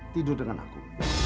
tidur dengan aku